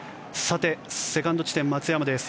セカンド地点、松山です。